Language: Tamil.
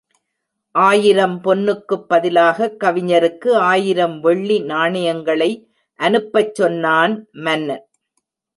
ஆயிரம் பொன்னுக்குப் பதிலாகக் கவிஞருக்கு ஆயிரம் வெள்ளி நாணயங்களை அனுப்பச் சொன்னான் மன்னன்.